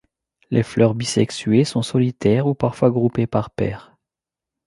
Les fleurs bisexuées sont solitaires ou parfois groupées par paires.